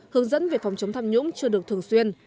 hướng dẫn về phòng chống tham nhũng chưa được thường xuyên